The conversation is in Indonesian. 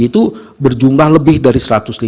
itu berjumlah lebih dari satu ratus lima puluh